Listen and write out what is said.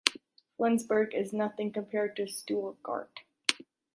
Flensburg is nothing compared to Stuttgart.